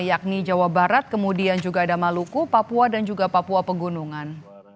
yakni jawa barat kemudian juga ada maluku papua dan juga papua pegunungan